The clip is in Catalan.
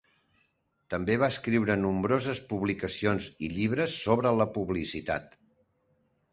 També va escriure nombroses publicacions i llibres sobre la publicitat.